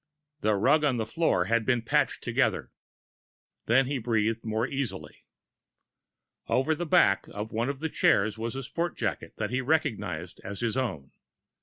The rug on the floor had been patched together. Then he breathed more easily. Over the back of one of the chairs was a sports jacket which he recognized as his own.